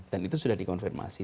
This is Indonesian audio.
dan itu sudah dikonfirmasi